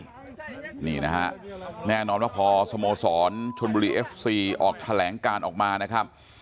นี่นะฮะแน่นอนว่าพอสโมสรชนบุรีเอฟซีออกแถลงการออกมานะครับ